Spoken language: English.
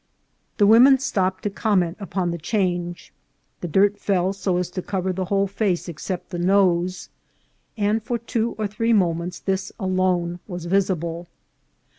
The women stopped to comment upon the change ; the dirt fell so as to cover the whole PURCHASING PALENQUE. face except the nose, and for two or three moments this alone was visible.